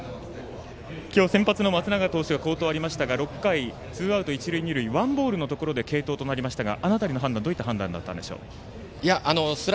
今日、先発の松永投手の好投がありましたが６回、ツーアウト、一塁二塁ワンボールのところで継投もありましたがあの辺りの判断どういった判断だったんでしょう。